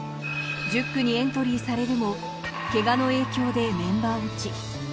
１０区にエントリーされるも、けがの影響でメンバー落ち。